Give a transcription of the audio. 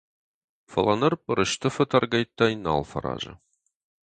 Фӕлӕ ныр пъырыстыфы тӕргӕйттӕй нал фӕразы.